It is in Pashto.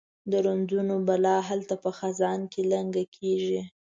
د رنځونو بلا هلته په خزان کې لنګه کیږي